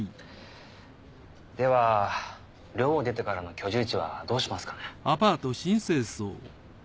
では寮を出てからの居住地はどうしますかね？